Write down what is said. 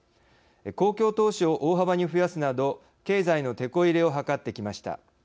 公共投資を大幅に増やすなど経済のテコ入れを計ってきました。